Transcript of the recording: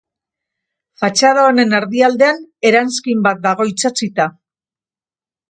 Fatxada honen erdialdean eranskin bat dago itsatsita.